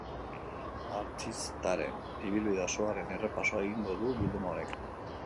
Artsitaren ibilbide osoaren errepasoa egingo du bilduma honek.